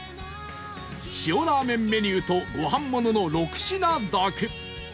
塩ラーメンメニューとご飯ものの６品だけ